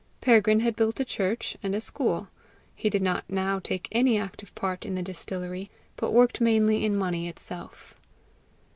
Peregrine had built a church and a school. He did not now take any active part in the distillery, but worked mainly in money itself.